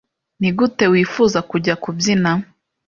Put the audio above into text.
Nigute wifuza kujya kubyina?